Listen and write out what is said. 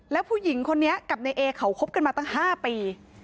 แล้วผู้หญิงคนนี้กับในเอเขาคบกันมาตั้ง๕ปี